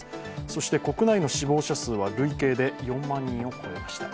そして国内の死亡者数は累計で４万人を超えました。